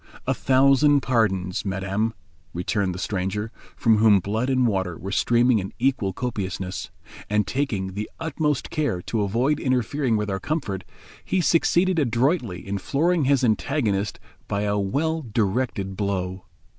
"A thousand pardons, madame," returned the stranger, from whom blood and water were streaming in equal copiousness; and taking the utmost care to avoid interfering with our comfort, he succeeded adroitly in flooring his antagonist by a well directed blow.